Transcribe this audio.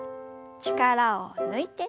力を抜いて。